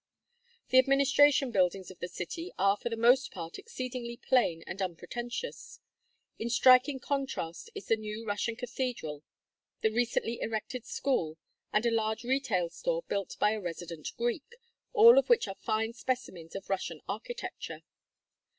The administration buildings of the city are for the most part exceedingly plain and unpretentious. In striking contrast is the new Russian cathedral, the recently erected school, and a large retail store built by a resident Greek, all of which are fine specimens of Russian architecture.